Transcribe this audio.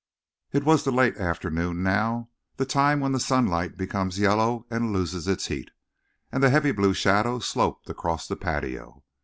It was the late afternoon, now, the time when the sunlight becomes yellow and loses its heat, and the heavy blue shadow sloped across the patio.